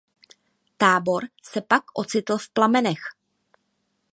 Tábor se pak ocitl v plamenech.